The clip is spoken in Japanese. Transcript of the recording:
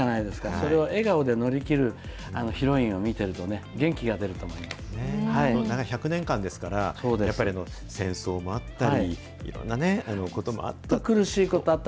それを笑顔で乗り切るヒロインを１００年間ですから、やっぱり戦争もあったり、いろんなこともあった。